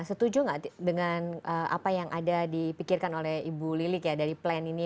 setuju nggak dengan apa yang ada dipikirkan oleh ibu lilik ya dari plan ini